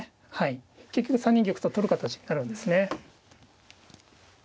結局３二玉と取る形になるんですね。